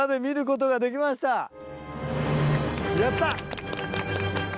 やった。